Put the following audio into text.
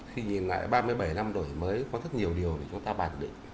khi nhìn lại ba mươi bảy năm đổi mới có rất nhiều điều để chúng ta bản định